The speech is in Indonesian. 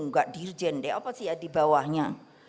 gak dirjen deh apa sih ya dibawahnya